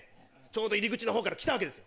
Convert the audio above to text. ちょうど入り口のほうから来たわけですよ。